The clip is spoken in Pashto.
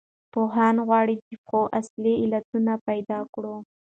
پوهان غواړي د پېښو اصلي علتونه پیدا کړو.